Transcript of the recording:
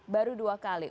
baru dua kali